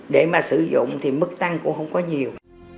để mà sử dụng thì mức tăng cũng không có nhiều